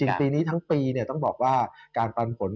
ปีนี้ทั้งปีต้องบอกว่าการปันผล